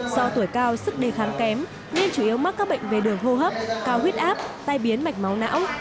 do tuổi cao sức đề kháng kém nên chủ yếu mắc các bệnh về đường hô hấp cao huyết áp tai biến mạch máu não